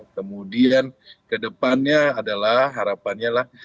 kemudian ke depannya adalah harapannya lah